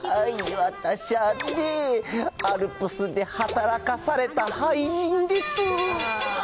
ハイジ、私はね、アルプスで働かされたはいじんです。